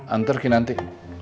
anter ki nanti